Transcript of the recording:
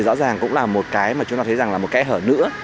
rõ ràng cũng là một cái hở nữ